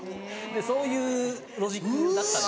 そういうロジックだったんで。